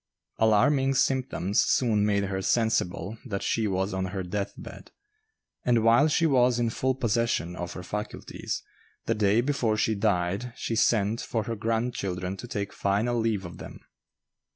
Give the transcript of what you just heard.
Alarming symptoms soon made her sensible that she was on her death bed; and while she was in full possession of her faculties, the day before she died she sent for her grandchildren to take final leave of them.